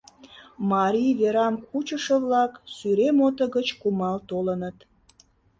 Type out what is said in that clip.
Марий верам кучышо-влак Сӱрем ото гыч кумал толыныт.